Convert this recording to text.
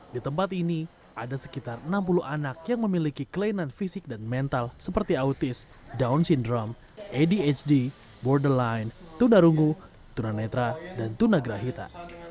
di tempat ini ada sekitar enam puluh anak yang memiliki kelainan fisik dan mental seperti autis down syndrome adhd borderline tunarungu tunanetra dan tunagrahita